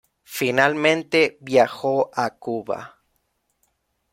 Finalmente viajó a Cuba.